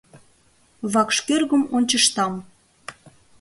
Вакш кӧргым ончыштам.